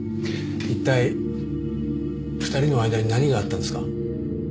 一体２人の間に何があったんですか？